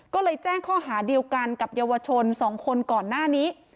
ก็เลยแจ้งข้อหาเดียวกันกับเยาวชน๒คนก่อนหน้านี้